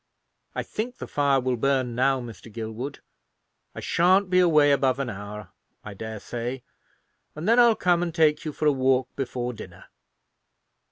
I think the fire will burn now, Mr. Gilwood. I shan't be away above an hour, I dare say; and then I'll come and take you for a walk before dinner.